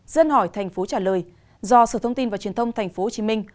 dân hỏi thành phố trả lời do sở thông tin và truyền thông tp hcm